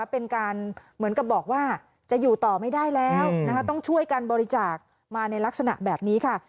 เป็นการเหมือนกับบอกว่าจะอยู่ต่อไม่ได้แล้วต้องช่วยกันบริจาคมาในลักษณะแบบนี้ค่ะ